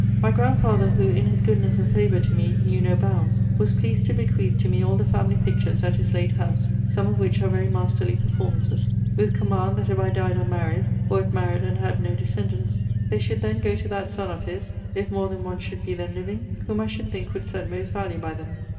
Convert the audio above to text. My grandfather, who, in his goodness and favour to me, knew no bounds, was pleased to bequeath to me all the family pictures at his late house, some of which are very masterly performances; with command, that if I died unmarried, or if married and had no descendants, they should then go to that son of his (if more than one should be then living) whom I should think would set most value by them.